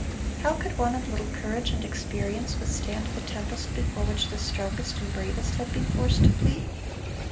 How could one of little courage and experience withstand the tempest before which the strongest and bravest had been forced to flee?